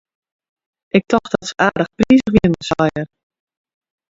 Ik tocht dat se aardich prizich wienen, sei er.